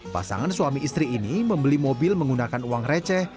pasangan suami istri ini membeli mobil menggunakan uang receh